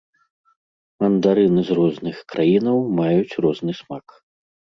Мандарыны з розных краінаў маюць розны смак.